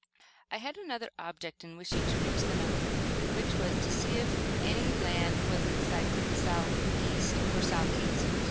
I had another object in wishing to reach the mountains, which was to see if any land was in sight to the south, east and southeast.